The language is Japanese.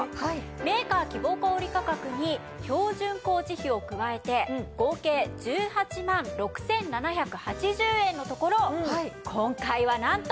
メーカー希望小売価格に標準工事費を加えて合計１８万６７８０円のところ今回はなんと。